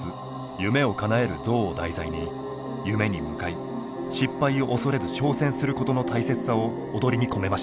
「夢をかなえるゾウ」を題材に夢に向かい「失敗を恐れず挑戦する」ことの大切さを踊りに込めました。